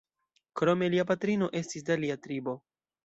Krome lia patrino estis de alia tribo.